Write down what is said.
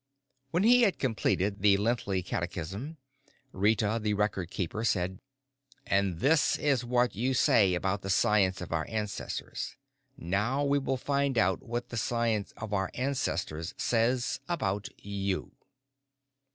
When he had completed the lengthy catechism, Rita the Record Keeper said: "And this is what you say about the science of our ancestors. Now we will find out what the science of our ancestors says about you."